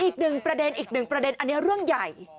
อีกหนึ่งประเด็นอีกหนึ่งประเด็นอันนี้เรื่องใหญ่